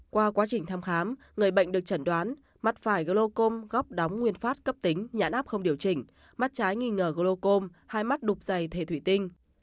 qua quá trình thăm khám người bệnh được chẩn đoán mắt phải glocom góp đóng nguyên phát cấp tính nhãn áp không điều chỉnh mắt trái nghi ngờ glocom hai mắt đục dày thể thủy tinh